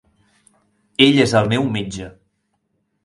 Ell és el meu metge.